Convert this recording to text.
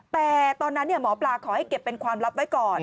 แต่ตอนนั้นหมอปลาขอให้เก็บเป็นความลับไว้ก่อน